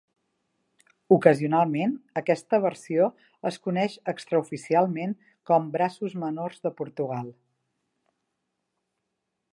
Ocasionalment, aquesta versió es coneix extraoficialment com "braços menors de Portugal".